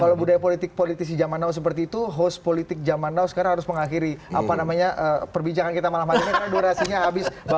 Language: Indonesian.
kalau budaya politik politisi zaman now seperti itu host politik zaman now sekarang harus mengakhiri apa namanya perbincangan kita malam hari ini karena durasinya habis